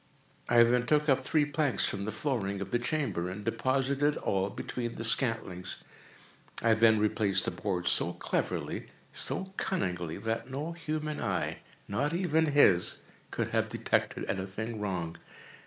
I then took up three planks from the flooring of the chamber, and deposited all between the scantlings. I then replaced the boards so cleverly, so cunningly, that no human eye—not even his—could have detected any thing wrong.